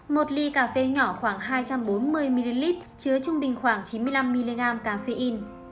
một ly cà phê nhỏ khoảng hai trăm bốn mươi ml chứa trung bình khoảng chín mươi năm mg cà phê in